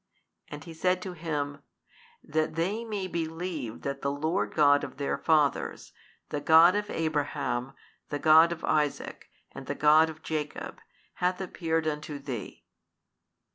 And He said to him, That they may believe that the Lord God of their fathers, the God of Abraham, the God of Isaac and the God of Jacob hath appeared unto thee.